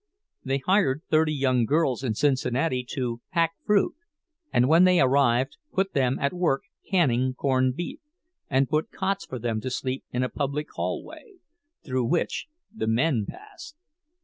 They hired thirty young girls in Cincinnati to "pack fruit," and when they arrived put them at work canning corned beef, and put cots for them to sleep in a public hallway, through which the men passed.